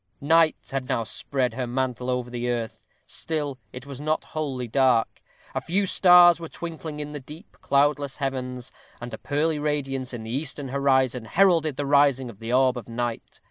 Night had now spread her mantle over the earth; still it was not wholly dark. A few stars were twinkling in the deep, cloudless heavens, and a pearly radiance in the eastern horizon heralded the rising of the orb of night.